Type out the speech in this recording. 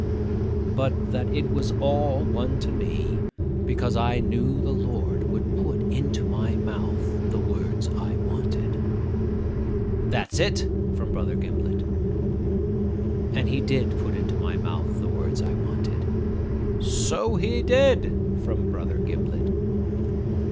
but that it was all one to me, because I knew the Lord would put into my mouth the words I wanted.' ('That's it!' from Brother Gimblet.) 'And he did put into my mouth the words I wanted.' ('So he did!' from Brother Gimblet.)